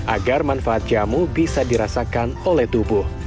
agar manfaat jamu bisa dirasakan oleh tubuh